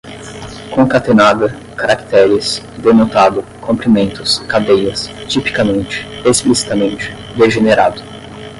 concatenada, caracteres, denotado, comprimentos, cadeias, tipicamente, explicitamente, degenerado